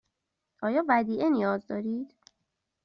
آیا ودیعه نیاز دارید؟